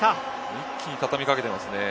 一気に畳み掛けていますね。